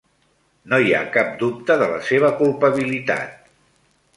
No hi ha cap dubte de la seva culpabilitat.